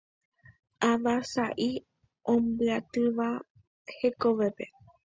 Ava sa'i ombyatýtava hekovépe.